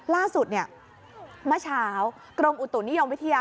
ล่าสุดเมื่อเช้ากรมอุตุนิยมวิทยา